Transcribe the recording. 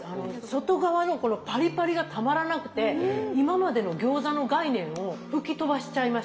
外側のこのパリパリがたまらなくて今までの餃子の概念を吹き飛ばしちゃいました。